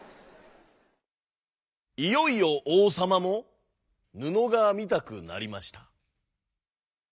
いよいよおうさまもぬのがみたくなりました。